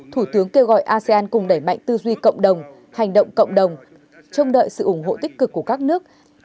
thủ tướng kêu gọi asean cùng đẩy mạnh tư duy cộng đồng hành động cộng đồng trông đợi sự ủng hộ tích cực của các nước